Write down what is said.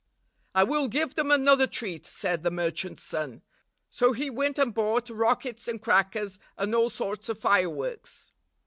"I will give them another treat," said the merchant's son. So he went and bought rockets and crackers, and all sorts of fireworks.